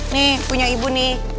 nih punya ibu nih